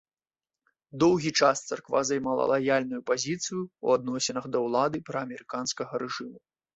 Доўгі час царква займала лаяльную пазіцыю ў адносінах да ўлады праамерыканскага рэжыму.